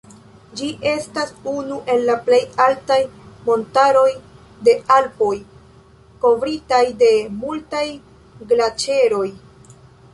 Ĝi estas unu el la plej altaj montaroj de Alpoj, kovritaj de multaj glaĉeroj.